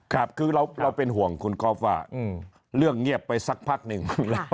ครับคือเราเป็นห่วงคุณก๊อฟว่าเรื่องเงียบไปสักพักหนึ่ง